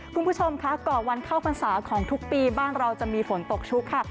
คุณผู้ชมค่ะก่อนวันเข้าพรรษาของทุกปีบ้านเราจะมีฝนตกชุกค่ะ